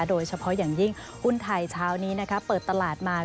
โดยเฉพาะอย่างยิ่งหุ้นไทยเช้านี้เปิดตลาดมา